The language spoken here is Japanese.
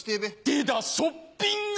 出たショッピング！